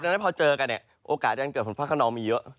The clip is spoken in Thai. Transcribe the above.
เพราะฉะนั้นพอเจอกันเนี่ยโอกาสยังเกิดฝนภาคนอมมีเยอะ